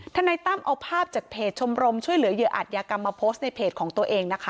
นายตั้มเอาภาพจากเพจชมรมช่วยเหลือเหยื่ออัตยากรรมมาโพสต์ในเพจของตัวเองนะคะ